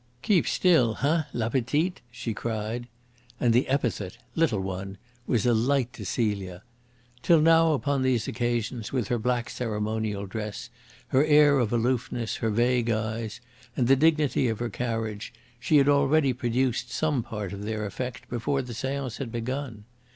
"Keep still, HEIN, LA PETITE!" she cried. And the epithet "little one" was a light to Celia. Till now, upon these occasions, with her black ceremonial dress, her air of aloofness, her vague eyes, and the dignity of her carriage, she had already produced some part of their effect before the seance had begun.